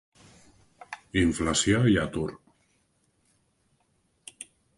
Inflació i atur.